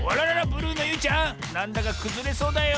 ブルーのゆいちゃんなんだかくずれそうだよ。